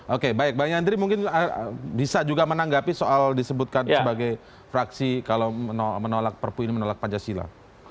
oke baik bang yandri mungkin bisa juga menanggapi soal disebutkan sebagai fraksi kalau menolak perpu ini menolak pancasila